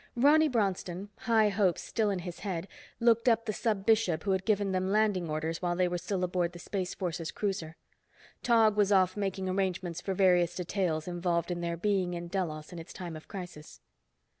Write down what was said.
Ronny Bronston, high hopes still in his head, looked up the Sub Bishop who had given them landing orders while they were still aboard the Space Forces cruiser. Tog was off making arrangements for various details involved in their being in Delos in its time of crisis.